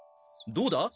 どうだ？